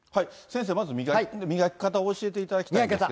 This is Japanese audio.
先生、まず磨き方を教えていただきたいんですけど。